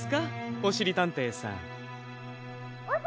・おしりたんていさん！